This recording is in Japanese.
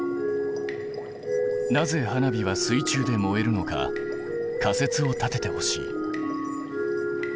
なぜ花火は水中で燃えるのか仮説を立ててほしい。